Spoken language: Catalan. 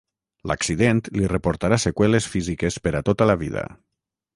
L'accident li reportarà seqüeles físiques per a tota la vida.